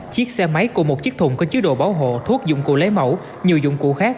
chiếc xe máy cùng một chiếc thùng có chứa đồ bảo hộ thuốc dụng cụ lấy mẫu nhiều dụng cụ khác